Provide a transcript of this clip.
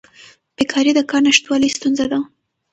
بیکاري د کار نشتوالي ستونزه ده.